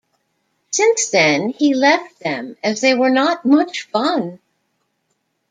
Since then, he left them as they were not much fun.